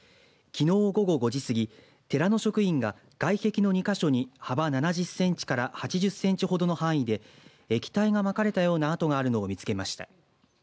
きのう午後５時過ぎ寺の職員が、外壁の２か所に幅７０センチから８０センチほどの範囲で液体がまかれたような跡があるのを見つけました。